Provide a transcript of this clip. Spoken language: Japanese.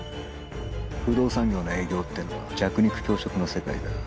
不動産業の営業ってのは弱肉強食の世界だ。